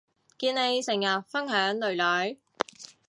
見你成日分享囡囡